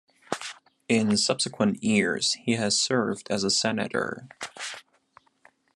In subsequent years he has served as a Senator.